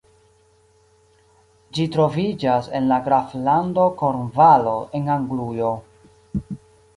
Ĝi troviĝas en la graflando Kornvalo en Anglujo.